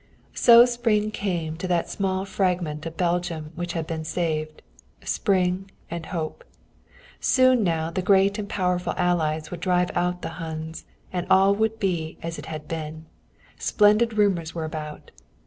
So spring came to that small fragment of Belgium which had been saved, spring and hope. Soon now the great and powerful Allies would drive out the Huns, and all would be as it had been. Splendid rumors were about.